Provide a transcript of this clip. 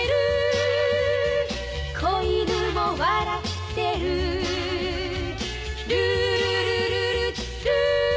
「小犬も笑ってる」「ルールルルルルー」